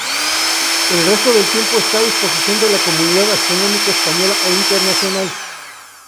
El resto del tiempo está a disposición de la comunidad astronómica española e internacional.